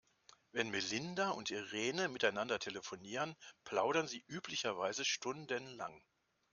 Wenn Melinda und Irene miteinander telefonieren, plaudern sie üblicherweise stundenlang.